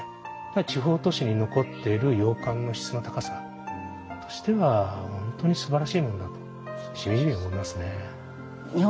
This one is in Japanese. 地方都市に残っている洋館の質の高さとしては本当にすばらしいものだとしみじみ思いますね。